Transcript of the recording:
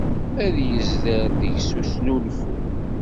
Ad yezder deg-s usnulfu.